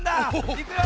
いくよ！